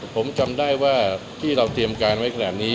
ผมจำได้ว่าที่เราเตรียมการไว้ขนาดนี้